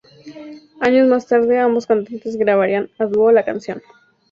Años más tarde, ambos cantantes grabaría a duo la canción.